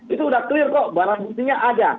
itu sudah clear kok barang buktinya ada